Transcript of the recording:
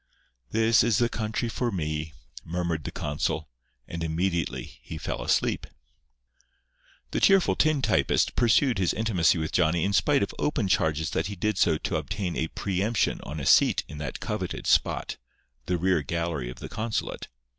"This is the country for me," murmured the consul, and immediately he fell asleep. The cheerful tintypist pursued his intimacy with Johnny in spite of open charges that he did so to obtain a preëmption on a seat in that coveted spot, the rear gallery of the consulate.